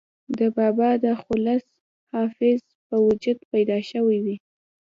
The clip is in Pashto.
دَبابا دَ تخلص “حافظ ” پۀ وجه پېدا شوې وي